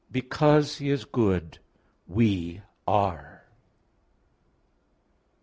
i, 32), "Because He is good, we are."